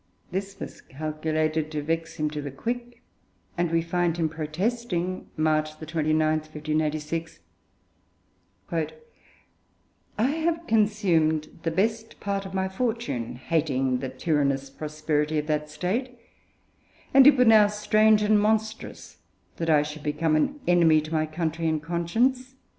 This was calculated to vex him to the quick, and we find him protesting (March 29, 1586): 'I have consumed the best part of my fortune, hating the tyrannous prosperity of that State, and it were now strange and monstrous that I should become an enemy to my country and conscience.'